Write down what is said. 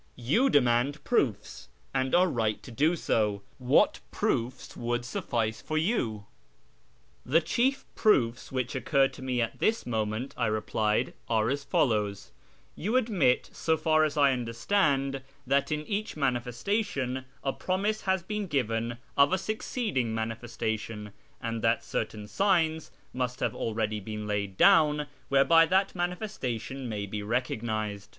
You demand proofs, and you are right to do so. What proofs would suffice for you ?"" The chief proofs which occur to me at this moment," I replied, " are as follows :— You admit, so far as I understand, that in each ' manifestation ' a promise has been given of a succeeding ' manifestation,' and tliat certain signs have always been laid down whereby that ' manifestation ' may be recog nised.